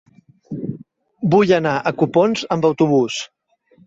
Vull anar a Copons amb autobús.